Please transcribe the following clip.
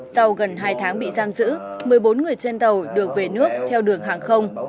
sau gần hai tháng bị giam giữ một mươi bốn người trên tàu được về nước theo đường hàng không